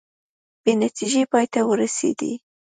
بې نتیجې پای ته ورسیدې